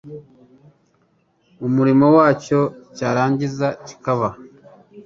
umurimo wacyo, cyarangiza kikaba